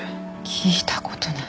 聞いたことない。